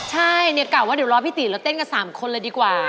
ใช่เนี่ยกล่าวว่าเดี๋ยวรอพี่ตีแล้วเต้นกัน๓คนเลยดีกว่า